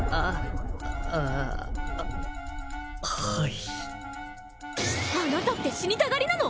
あああはいあなたって死にたがりなの？